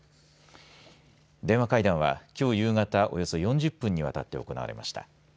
では会談は今日夕方およそ４０分にわたって行われました。